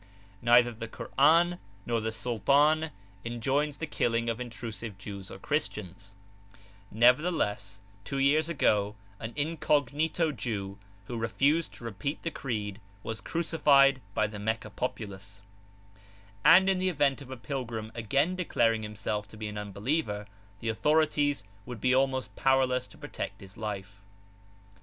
Neither the Koran nor the Sultan enjoins the killing of intrusive Jews or Christians; nevertheless, two years ago, an incognito Jew, who refused to repeat the creed, was crucified by the Meccah populace, and in the event of a pilgrim again declaring himself to be an unbeliever the authorities would be almost powerless to protect his life.